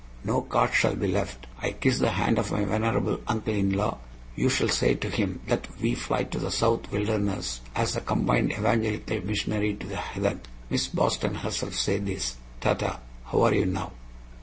No cards shall be left! I kiss the hand of my venerable uncle in law. You shall say to him that we fly to the South wilderness as the combined evangelical missionary to the heathen! Miss Boston herself say this. Ta ta! How are you now?